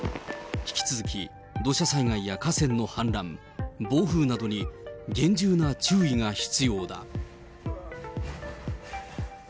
引き続き、土砂災害や河川の氾濫、暴風などに厳重な注意が必要だ。